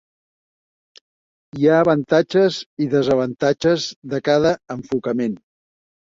Hi ha avantatges i desavantatges de cada enfocament.